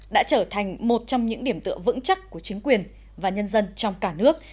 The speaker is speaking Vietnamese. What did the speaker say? đã trở thành một trong những điểm tựa vững chắc của chính quyền và nhân dân trong cả nước